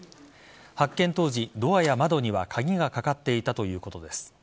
発見当時、ドアや窓には鍵がかかっていたということです。